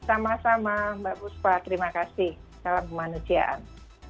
sama sama mbak buspa terima kasih salam kemanusiaan